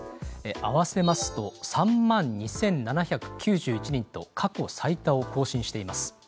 合わせますと３万２，７９１人と過去最多を更新しています。